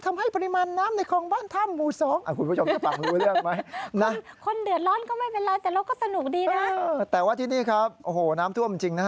ทำให้ปริมาณน้ำในคลองบ้านทำหมู่สอง